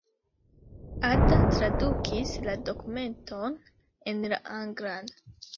Ada tradukis la dokumenton en la anglan.